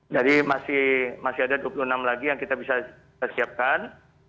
masih ada dua puluh enam lagi yang kita bisa siapkan